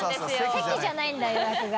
席じゃないんだ予約が。